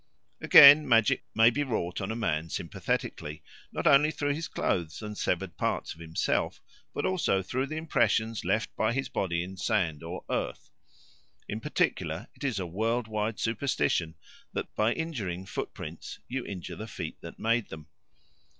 Again, magic may be wrought on a man sympathetically, not only through his clothes and severed parts of himself, but also through the impressions left by his body in sand or earth. In particular, it is a world wide superstition that by injuring footprints you injure the feet that made them.